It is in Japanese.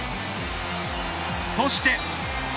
そして。